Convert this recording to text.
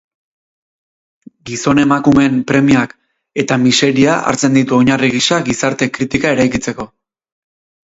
Gizon-emakumeen premiak eta miseria hartzen ditu oinarri gisa gizarte-kritika eraikitzeko.